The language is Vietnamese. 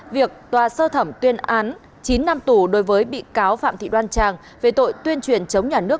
việc tòa sơ thẩm tuyên án chín năm tù đối với bị cáo phạm thị đoan trang về tội tuyên truyền chống nhà nước